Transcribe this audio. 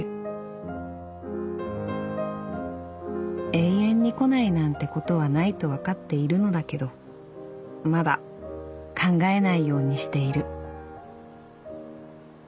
「永遠に来ないなんてことはないと分かっているのだけどまだ考えないようにしている」。